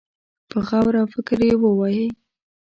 په غور او فکر يې ووايي.